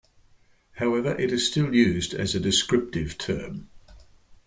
However, it is still used as a descriptive term.